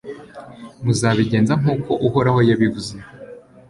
muzabigenza nk'uko uhoraho yabivuze